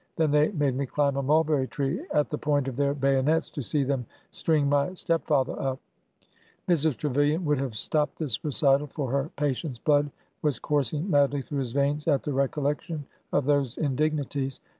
Then they made me climb a mulberry tree, at the point of their bayonets, to see them string my step father up !" Mrs. Trevilian would have stopped this recital, for her patient's blood was coursing madly through his veins at the recollection of those indignities.